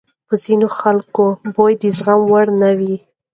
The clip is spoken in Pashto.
په ځینو خلکو کې بوی د زغم وړ نه وي.